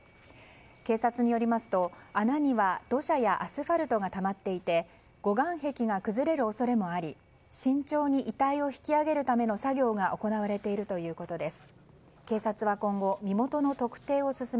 警察によりますと穴には土砂やアスファルトがたまっていて護岸壁が崩れる恐れもあり慎重に遺体を引き上げるための作業が行われているということです。